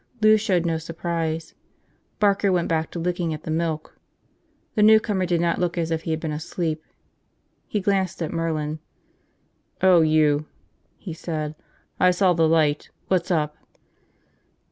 Lou showed no surprise. Barker went back to licking at the milk. The newcomer did not look as if he had been asleep. He glanced at Merlin. "Oh, you," he said. "I saw the light. What's up?"